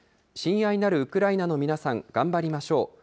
親愛なるウクライナの皆さん、頑張りましょう。